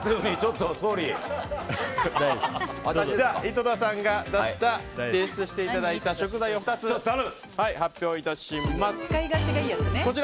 井戸田さんに提出していただいた食材を２つ発表いたします。